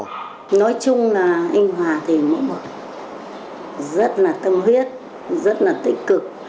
nói chung là anh hòa thì mỗi một rất là tâm huyết rất là tích cực